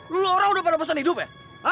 lo orang udah pada bosan hidup ya